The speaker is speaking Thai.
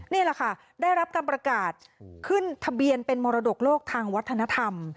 นี่แหละค่ะได้รับการประกาศขึ้นทะเบียนเป็นมรดกโลกทางวัฒนธรรม